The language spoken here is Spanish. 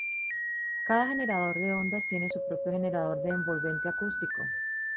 Cada generador de ondas tiene su propio generador de envolvente acústico.